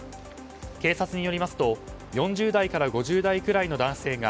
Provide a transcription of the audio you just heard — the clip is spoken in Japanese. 警察によりますと４０代から５０代くらいの男性が